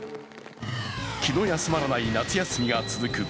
気の休まらない夏休みが続く